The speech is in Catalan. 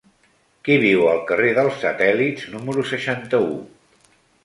Qui viu al carrer dels Satèl·lits número seixanta-u?